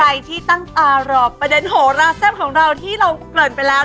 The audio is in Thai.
ใครที่ตั้งตารอประเด็นโหราแซ่บของเราที่เราเกริ่นไปแล้ว